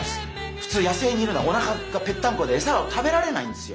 ふつう野生にいるのはおなかがペッタンコでエサは食べられないんですよ。